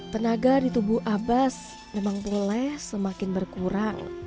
tenaga di tubuh abbas memang boleh semakin berkurang